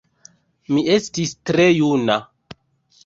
Mi estis tre juna.